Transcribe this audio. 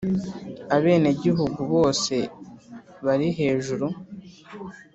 abenegihugu bose bari hejuru.